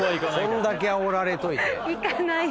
こんだけあおられといて。